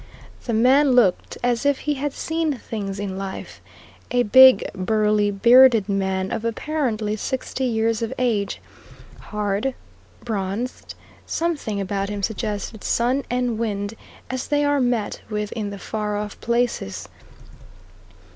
The man looked as if he had seen things in life a big, burly, bearded man of apparently sixty years of age, hard, bronzed; something about him suggested sun and wind as they are met with in the far off places.